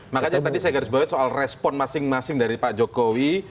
makanya tadi saya garis bawah soal respon masing masing dari pak jokowi